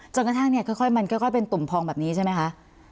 กระทั่งเนี่ยค่อยมันค่อยเป็นตุ่มพองแบบนี้ใช่ไหมคะ